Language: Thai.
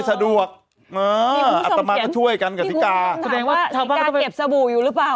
สะดวกเอออัตตามาก็ช่วยกันกับศรีกาสุดยังว่าศรีกาเก็บสบู่อยู่หรือเปล่า